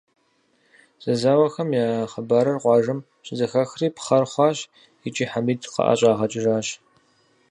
Зэзауэхэм я хъыбарыр къуажэм щызэхахри, пхъэр хъуащ икӀи Хьэмид къыӀэщӀагъэкӀыжащ.